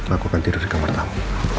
aku akan tidur di kamar tamu